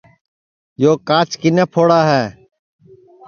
یو کاچ کِنے پھوڑا ہے